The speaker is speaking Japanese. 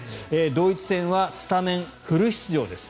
ドイツ戦はスタメンフル出場です。